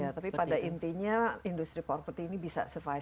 iya tapi pada intinya industri property ini bisa survive